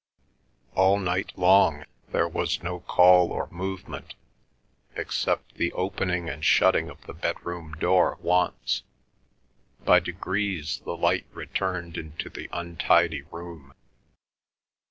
All night long there was no call or movement, except the opening and shutting of the bedroom door once. By degrees the light returned into the untidy room.